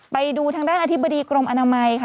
ไปดูทางด้านอธิบดีกรมอนามัยค่ะ